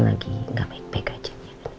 lagi gak baik baik aja